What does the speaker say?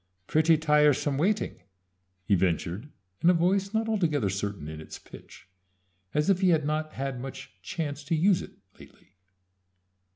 "Pretty tiresome waiting," he ventured, in a voice not altogether certain in its pitch, as if he had not had much chance to use it latterly.